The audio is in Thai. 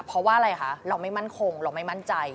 เพราะว่าอะไรคะเราไม่มั่นคงเราไม่มั่นใจ